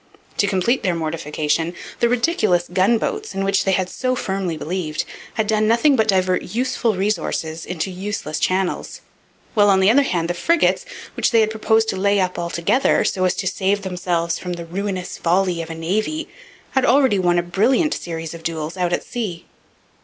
To complete their mortification, the ridiculous gunboats, in which they had so firmly believed, had done nothing but divert useful resources into useless channels; while, on the other hand, the frigates, which they had proposed to lay up altogether, so as to save themselves from 'the ruinous folly of a Navy,' had already won a brilliant series of duels out at sea.